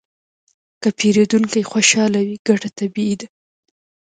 که پیرودونکی خوشحاله وي، ګټه طبیعي ده.